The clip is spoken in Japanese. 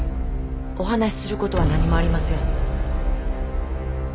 お話しする事は何もありません。